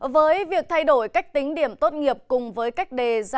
với việc thay đổi cách tính điểm tốt nghiệp cùng với cách đề